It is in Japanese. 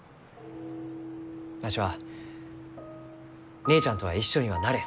わしは姉ちゃんとは一緒にはなれん。